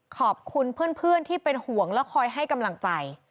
ขอบคุณเพื่อนที่เป็นห่วงและคอยให้กำลังใจ